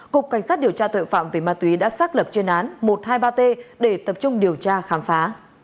cục cảnh sát điều tra tội phạm về ma túy đã xác lập chuyên án một trăm hai mươi ba t để tập trung điều tra khám phá